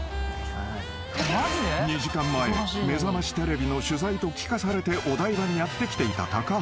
［２時間前『めざましテレビ』の取材と聞かされてお台場にやって来ていた高橋］